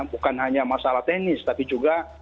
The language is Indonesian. bukan hanya masalah teknis tapi juga